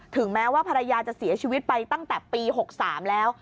แม้ว่าภรรยาจะเสียชีวิตไปตั้งแต่ปี๖๓แล้ว